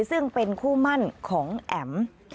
ซึ่งเป็นคู่มั่นของแอ๋ม